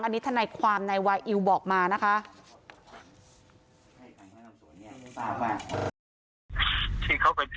อันนี้ทนายความนายวาอิวบอกมานะคะ